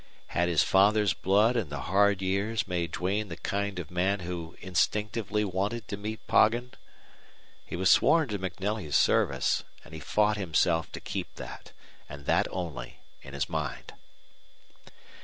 Had his father's blood and the hard years made Duane the kind of man who instinctively wanted to meet Poggin? He was sworn to MacNelly's service, and he fought himself to keep that, and that only, in his mind.